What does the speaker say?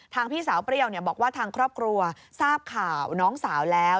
พี่สาวเปรี้ยวบอกว่าทางครอบครัวทราบข่าวน้องสาวแล้ว